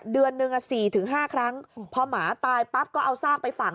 เดือนหนึ่งอ่ะสี่ถึงห้าครั้งพอหมาตายปั๊บก็เอาซากไปฝั่ง